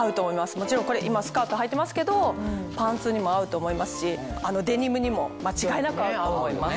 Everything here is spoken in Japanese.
もちろんこれ今スカートはいてますけどパンツにも合うと思いますしデニムにも間違いなく合うと思います。